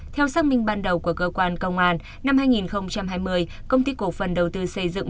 theo xác minh ban đầu của cơ quan công an năm hai nghìn hai mươi công ty cổ phần đầu tư xây dựng